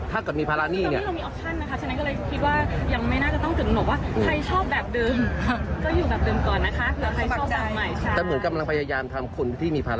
ถ้าใครไม่ชอบก็ใช้อย่างเดิมได้นะฮะไปฟังเสียงทางนายกรัฐมนตรีกันครับ